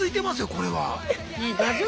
これは。